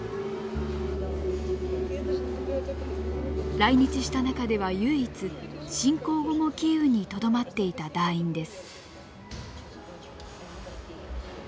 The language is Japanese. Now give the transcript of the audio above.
来日した中では唯一侵攻後もキーウにとどまっていた団員です。